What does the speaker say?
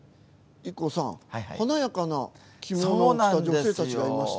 ＩＫＫＯさん、華やかな着物を着た女性たちがいます。